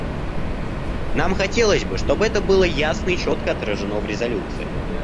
Нам хотелось бы, чтобы это было ясно и четко отражено в резолюции.